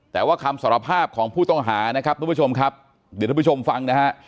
แต่ว่าคำสารภาพของผู้ต้องหานะครับทุกผู้ชมครับเดี๋ยวท่านผู้ชมฟังนะฮะ